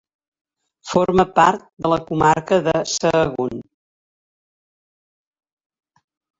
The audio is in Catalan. Forma part de la comarca de Sahagún.